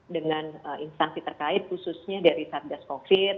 dengan instansi terkait khususnya dari satgas covid